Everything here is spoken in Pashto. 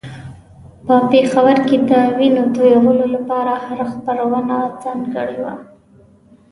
په پېښور کې د وينو تویولو لپاره هره خپرونه ځانګړې وه.